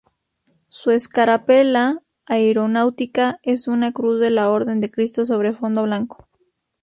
Su escarapela aeronáutica es una Cruz de la Orden de Cristo sobre fondo blanco.